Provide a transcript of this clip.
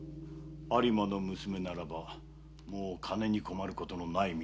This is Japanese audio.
有馬の娘ならばもう金に困ることのない身だぞ。